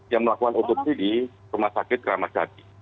yang melakukan otopsi di rumah sakit keramat jati